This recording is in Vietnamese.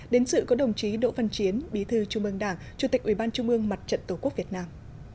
đến sự của đồng chí đỗ văn chiến bí thư trung ương đảng chủ tịch ubnd tổ quốc việt nam